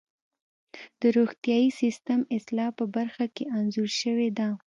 د روغتیايي سیستم اصلاح په برخه کې انځور شوې ده.